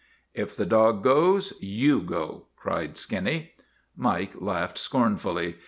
If the dog goes, you go! " cried Skinny. Mike laughed scornfully.